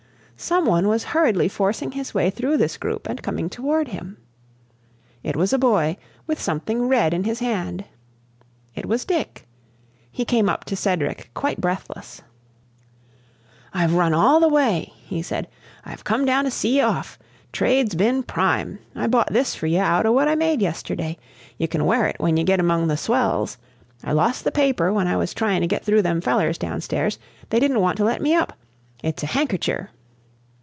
Some one was hurriedly forcing his way through this group and coming toward him. It was a boy, with something red in his hand. It was Dick. He came up to Cedric quite breathless. "I've run all the way," he said. "I've come down to see ye off. Trade's been prime! I bought this for ye out o' what I made yesterday. Ye kin wear it when ye get among the swells. I lost the paper when I was tryin' to get through them fellers downstairs. They didn't want to let me up. It's a hankercher."